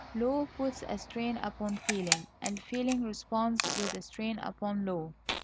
Law puts a strain upon feeling, and feeling responds with a strain upon law.